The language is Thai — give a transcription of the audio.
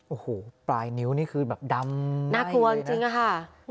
โอ้โหปลายนิ้วนี่คือแบบดำน่ากลัวจริงอะค่ะ